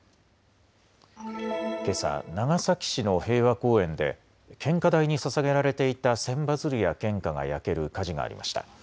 けさ長崎市の平和公園で献花台にささげられていた千羽鶴や献花が焼ける火事がありました。